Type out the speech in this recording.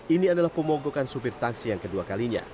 ini adalah pemogokan supir taksi yang kedua kalinya